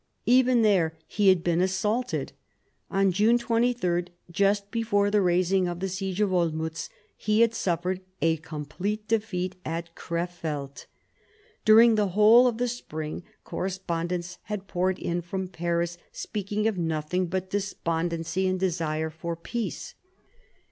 Even there he had been assaulted. On June 23, just before the raising of the siege of Olmiitz, he had suffered a complete defeat at Cref eld. During the whole of the spring, correspondence had poured in from Paris, speaking of nothing but despondency and desire for peace.